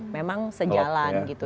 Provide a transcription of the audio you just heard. memang sejalan gitu